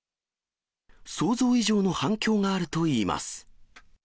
想像以上の反響があるといいます。